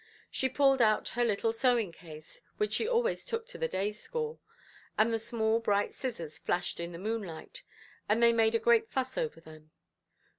She pulled out her little sewing–case, which she always took to the day–school, and the small bright scissors flashed in the moonlight, and they made a great fuss over them.